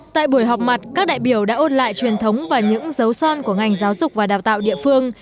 tại buổi họp mặt các đại biểu đã ôn lại truyền thống và những dấu son của ngành giáo dục và đào tạo địa phương